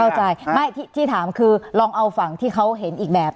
เข้าใจไม่ที่ถามคือลองเอาฝั่งที่เขาเห็นอีกแบบ